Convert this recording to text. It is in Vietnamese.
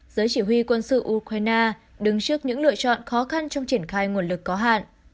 giới chỉ huy quân sự ukraine đứng trước những lựa chọn khó khăn trong triển khai nguồn lực có hạn